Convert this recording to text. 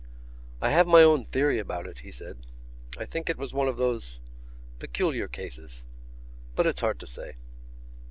"I have my own theory about it," he said. "I think it was one of those ... peculiar cases.... But it's hard to say...."